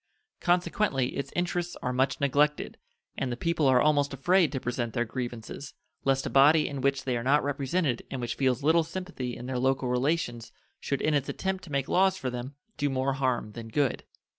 Consequently its interests are much neglected, and the people are almost afraid to present their grievances, lest a body in which they are not represented and which feels little sympathy in their local relations should in its attempt to make laws for them do more harm than good.